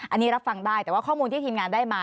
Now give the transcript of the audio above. อันนี้รับฟังได้แต่ว่าข้อมูลที่ทีมงานได้มา